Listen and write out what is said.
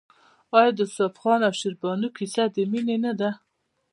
آیا د یوسف خان او شیربانو کیسه د مینې نه ده؟